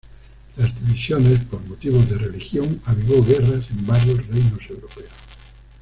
Las divisiones por motivos de religión avivó guerras en varios reinos europeos.